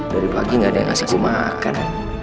dari pagi gak ada yang ngasih gue makan